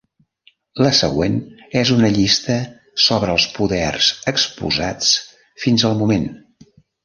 La següent és una llista sobre els poders exposats fins al moment.